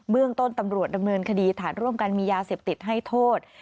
เรื่องต้นตำรวจดำเนินคดีฐานร่วมกันมียาเสพติดให้โทษ